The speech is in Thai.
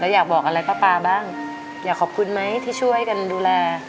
อยากบอกอะไรป้าปลาบ้างอยากขอบคุณไหมที่ช่วยกันดูแล